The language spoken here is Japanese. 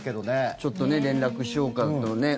ちょっと連絡しようかとね。